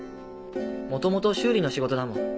もともと修理の仕事だもん。